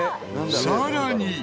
さらに。